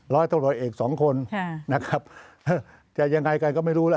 ร้อยตัวรอยเอกสองคนแต่ยังไงกันก็ไม่รู้ล่ะ